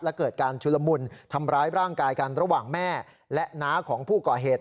และเกิดการชุลมุนทำร้ายร่างกายกันระหว่างแม่และน้าของผู้ก่อเหตุ